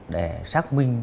để xác định